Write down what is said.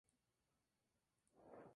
Sin embargo, no se ordenó a la serie.